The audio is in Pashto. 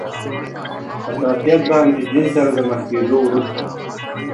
حساسیت د انټي جېن سره د مخ کیدو وروسته.